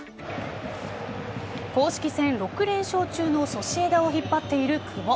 公式戦６連勝中のソシエダを引っ張っている久保。